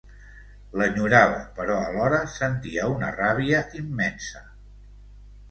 L'enyorava però alhora sentia una ràbia immensa.